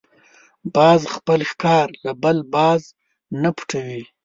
باز خپل ښکار له بل باز نه پټوي